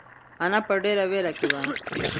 انا په ډېره وېره کې وه.